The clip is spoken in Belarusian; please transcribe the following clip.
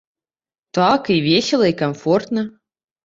Так, і весела, і камфортна.